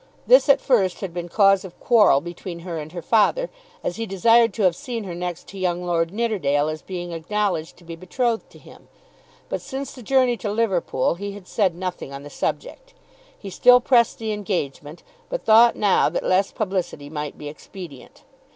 This at first had been cause of quarrel between her and her father, as he desired to have seen her next to young Lord Nidderdale as being acknowledged to be betrothed to him. But since the journey to Liverpool he had said nothing on the subject. He still pressed the engagement, but thought now that less publicity might be expedient.